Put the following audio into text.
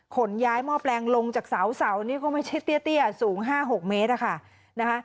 ขนย้ายหม้อแปลงลงจากเสานี่ก็ไม่ใช่เตี้ยสูง๕๖เมตรอะค่ะนะคะ